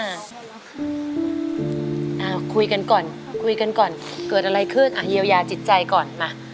อ่าคุยกันก่อนคุยกันก่อนเกิดอะไรขึ้นอ่ะเยียวยาจิตใจก่อนมา